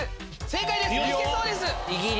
正解です！